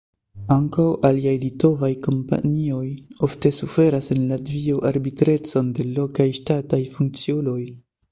Ankaŭ aliaj litovaj kompanioj ofte suferas en Latvio arbitrecon de lokaj ŝtataj funkciuloj.